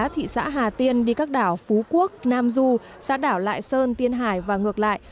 thị xã hà tiên đi các đảo phú quốc nam du xã đảo lại sơn tiên hải và ngược lại